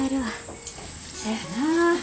せやな。